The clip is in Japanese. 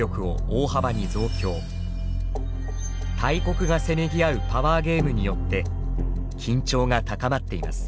大国がせめぎ合うパワーゲームによって緊張が高まっています。